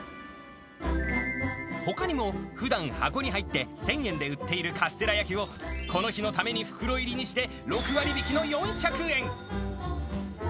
ほかにも、ふだん箱に入って１０００円で売っているカステラ焼をこの日のために袋入りにして、６割引きの４００円。